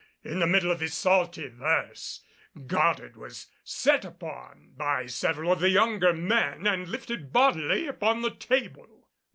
In the middle of his salty verse, Goddard was set upon by several of the younger men and lifted bodily upon the table.